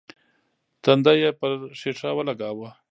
تندی يې پر ښيښه ولګاوه.